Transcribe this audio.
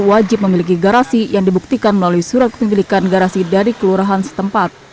wajib memiliki garasi yang dibuktikan melalui surat penyelidikan garasi dari kelurahan setempat